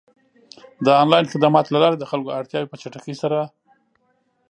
د آنلاین خدماتو له لارې د خلکو اړتیاوې په چټکۍ سره پ